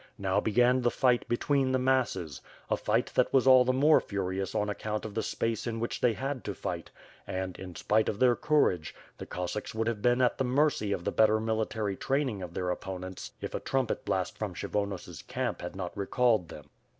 Now began the fight between the masses; a fight that was all the more furious on account of the space in which they had to fight and, in spite of their courage, the Cossacks would have been at the mercy of the better military training of their opponents, if a trumpet blast fom Kshy vonos^ camp had not recalled them.